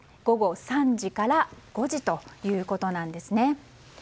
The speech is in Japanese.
午後３時から５時ということです。